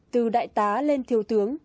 từ đại tá lên thiếu tướng